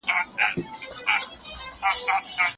د الشعراء سورت په {طسم} شروع سوی دی.